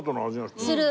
する！